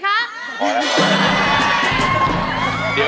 กับเพลงที่๑ของเรา